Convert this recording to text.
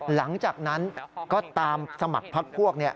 หลังจากนั้นก็ตามสมัครพักพวก